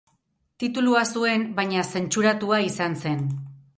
Titulua zuen baina zentsuratua izan zen.